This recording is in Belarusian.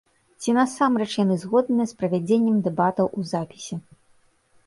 Ці насамрэч яны згодныя з правядзеннем дэбатаў у запісе.